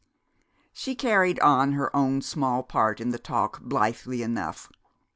She carried on her own small part in the talk blithely enough.